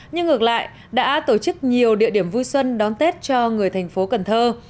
nhưng ngược lại đã tổ chức nhiều địa điểm vui xuân đón tết cho người thành phố cần thơ